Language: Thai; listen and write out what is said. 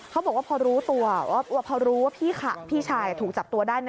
เขาบอกว่าพอรู้ตัวพอรู้ว่าพี่ชายถูกจับตัวได้